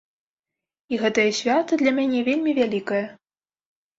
І гэтае свята для мяне вельмі вялікае.